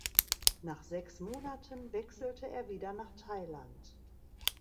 Nach sechs Monaten wechselte er wieder nach Thailand.